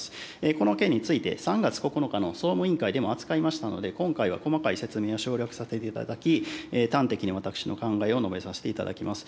この件について、３月９日の総務委員会でも扱いましたので、今回は細かい説明は省略させていただき、端的に私の考えを述べさせていただきます。